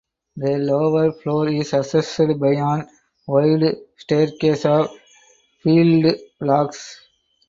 The lower floor is accessed by an wide staircase of peeled logs.